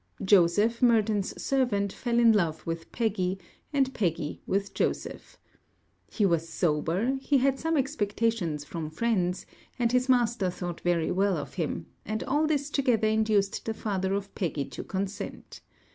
Joseph, Murden's servant, fell in love with Peggy, and Peggy with Joseph. He was sober; he had some expectations from friends; and his master thought very well of him; and all this together induced the father of Peggy to consent.